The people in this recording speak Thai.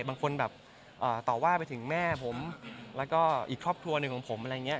บางคนแบบต่อว่าไปถึงแม่ผมแล้วก็อีกครอบครัวหนึ่งของผมอะไรอย่างนี้